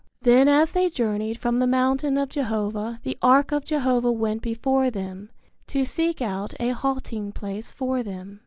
Then as they journeyed from the mountain of Jehovah the ark of Jehovah went before them, to seek out a halting place for them.